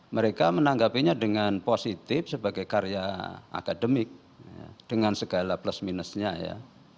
mereka menanggapinya dengan positif sebagai karya akademik dengan segala plus minusnya ya